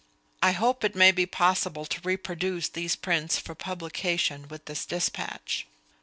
I hope it may be possible to reproduce these prints for publication with this despatch.